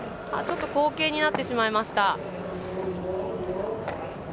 ちょっと後傾になってしまいました。